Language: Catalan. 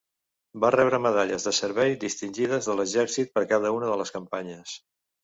Va rebre Medalles de Servei Distingides de l'Exèrcit per cada una de les campanyes.